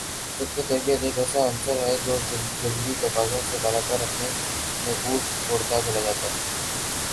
جبکہ تربیت ایک ایسا عنصر ہے جو جبلی تقاضوں سے بالاتر اپنے نقوش چھوڑتا چلا جاتا ہے